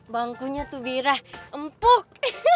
bangkunya tuh birah empuk